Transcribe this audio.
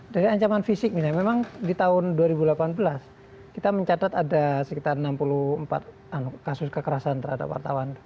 dari ancaman fisik ini memang di tahun dua ribu delapan belas kita mencatat ada sekitar enam puluh empat kasus kekerasan terhadap wartawan